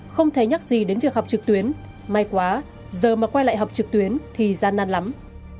không thấy nhắc gì đến việc học trực tuyến may quá giờ mà quay lại học trực tuyến thì gian năn lắm